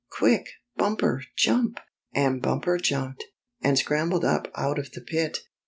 Quick, Bumper, jump!" And Bumper jumped, and scrambled up out of the pit.